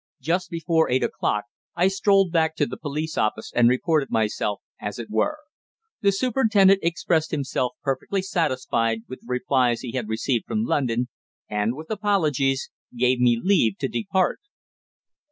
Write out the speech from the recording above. Just before eight o'clock I strolled back to the police office and reported myself, as it were. The superintendent expressed himself perfectly satisfied with the replies he had received from London, and, with apologies, gave me leave to depart.